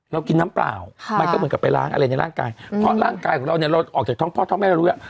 เรากินน้ำเปล่ามันก็เหมือนกับไปล้างอะไรในร่างกายเพราะร่างกายของเราเนี่ยเราออกจากท้องพ่อท้องแม่เรารู้แล้ว